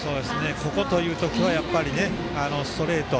ここというところではやっぱり、ストレート。